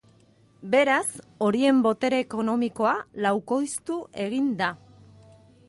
Beraz, horien botere ekonomikoa laukoiztu egin da.